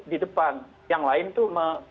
di depan yang lain tuh